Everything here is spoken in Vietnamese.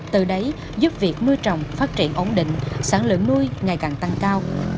từ đấy giúp việc nuôi trồng phát triển ổn định sản lượng nuôi ngày càng tăng cao